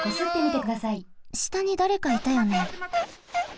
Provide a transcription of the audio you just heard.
したにだれかいたよね。